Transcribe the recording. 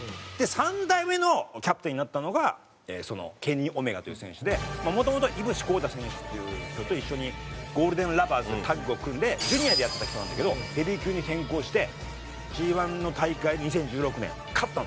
３代目のキャプテンになったのがそのケニー・オメガという選手でもともと飯伏幸太選手っていう人と一緒にゴールデン☆ラヴァーズってタッグを組んでジュニアでやってた人なんだけどヘビー級に転向してＧ１の大会２０１６年勝ったんですよ。